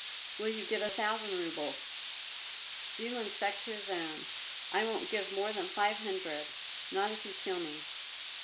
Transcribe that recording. "Will you give a thousand roubles?" Jilin stuck to his own. "I won't give more than five hundred, not if you kill me."